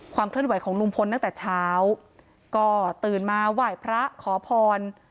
เคลื่อนไหวของลุงพลตั้งแต่เช้าก็ตื่นมาไหว้พระขอพร